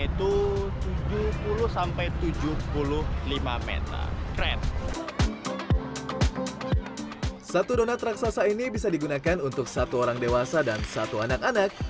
itu tujuh puluh tujuh puluh lima m keren satu donat raksasa ini bisa digunakan untuk satu orang dewasa dan satu anak anak